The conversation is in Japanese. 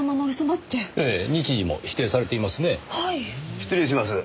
失礼します。